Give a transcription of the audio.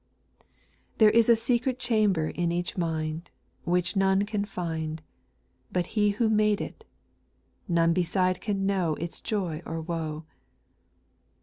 There is a secret chamber in each mind, Which none can find, But He who made it — none beside can know Its joy or woe.